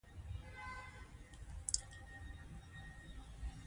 د خپلو زدهکوونکو په تود او لېوال حضور سره ونمانځلي.